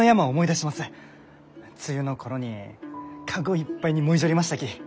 梅雨の頃に籠いっぱいにもいじょりましたき。